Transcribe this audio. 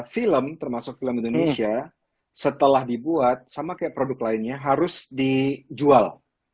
film termasuk film indonesia setelah dibuat sama kayak produk lainnya harus dijual